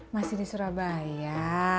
masih di surabaya